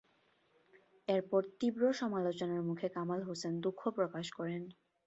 এরপর তীব্র সমালোচনার মুখে কামাল হোসেন দুঃখ প্রকাশ করেন।